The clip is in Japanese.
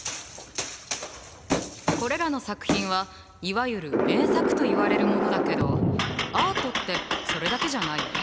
これらの作品はいわゆる「名作」といわれるものだけどアートってそれだけじゃないよね。